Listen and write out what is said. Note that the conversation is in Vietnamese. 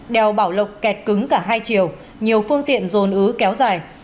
đèo bảo lộc kẹt cứng cả hai chiều nhiều phương tiện dồn ứ kéo dài